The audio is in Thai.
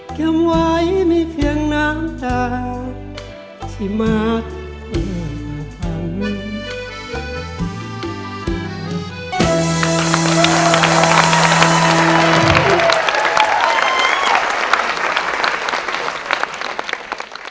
เก็บไว้ไม่เพียงน้ำตาที่มากกว่าหวัง